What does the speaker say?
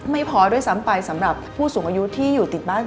ไม่พอโดยสำหรับผู้สูงอายุที่อยู่ติดบ้าน